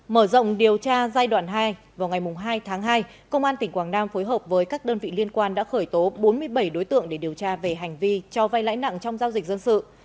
mở rộng điều tra giai đoạn hai vào ngày hai tháng hai công an tỉnh quảng nam phối hợp với các đơn vị liên quan đã khởi tố bốn mươi bảy đối tượng để điều tra về hành vi cho vay lãi nặng trong giao dịch dân sự